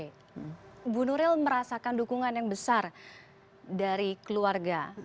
ibu nuril merasakan dukungan yang besar dari keluarga